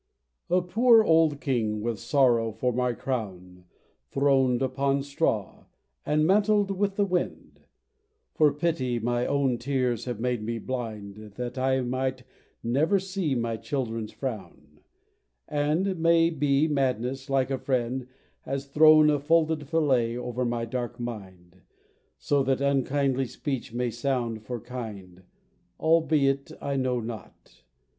A poor old king, with sorrow for my crown, Throned upon straw, and mantled with the wind For pity, my own tears have made me blind That I might never see my children's frown; And, may be, madness, like a friend, has thrown A folded fillet over my dark mind, So that unkindly speech may sound for kind Albeit I know not.